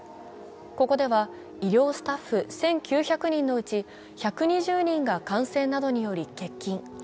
ここでは医療スタッフ１９００人のうち１２０人が感染などにより欠勤。